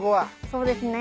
そうですね。